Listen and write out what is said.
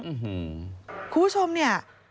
คุณผู้ชมเนี่ย